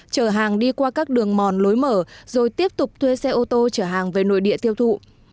chở hàng đi qua các đường mòn lối mở rồi tiếp tục thuê xe ô tô chở hàng về nội địa tiêu thụ